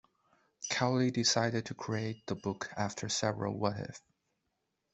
Cowley decided to create the book after several What if?